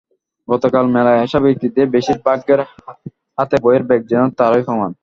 গতকাল মেলায় আসা ব্যক্তিদের বেশির ভাগের হাতে বইয়ের ব্যাগ যেন তারই প্রমাণ।